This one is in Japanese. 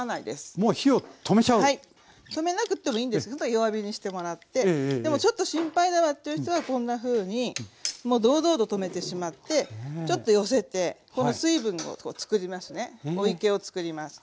止めなくってもいいんですけど弱火にしてもらってでもちょっと心配だわっていう人はこんなふうにもう堂々と止めてしまってちょっと寄せてこの水分をつくりますねお池をつくります。